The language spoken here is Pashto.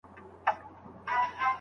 استاد له خپلو شاګردانو سره توپیر نه کوي.